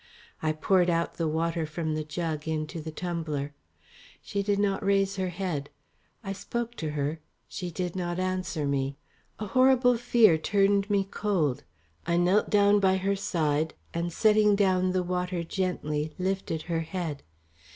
I poured out the water from the jug into the tumbler. She did not raise her head. I spoke to her. She did not answer me. A horrible fear turned me cold. I knelt down by her side, and setting down the water gently lifted her head.